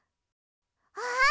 あっ！